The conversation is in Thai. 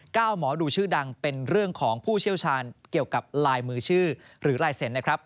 หมอดูชื่อดังเป็นเรื่องของผู้เชี่ยวชาญเกี่ยวกับลายมือชื่อหรือลายเซ็นต์นะครับ